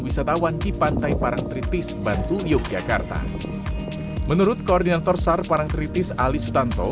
wisatawan di pantai parangkritis bantul yogyakarta menurut koordinator sar parangkritis ali sutanto